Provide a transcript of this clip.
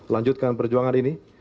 lanjutkan perjuangan ini